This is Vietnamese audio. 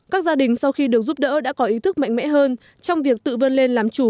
các gia đình sau khi được giúp đỡ đã có ý thức mạnh mẽ hơn trong việc tự vươn lên làm chủ